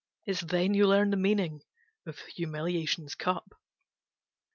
it's then you learn the meaning of humiliation's cup.